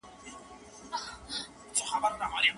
علم د انسان په ژوند کي رڼا خپروي او هغه له تيارو څخه ژغوري.